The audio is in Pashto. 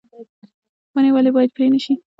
ونې ولې باید پرې نشي؟